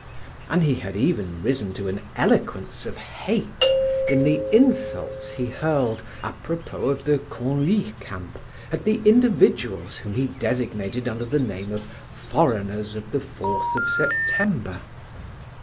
And he had even risen to an eloquence of hate in the insults he hurled, apropos of the Conlie camp, at the individuals whom he designated under the name of "foreigners of the Fourth of September."